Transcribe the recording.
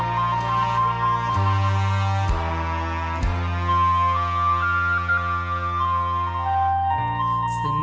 ไม่ใช้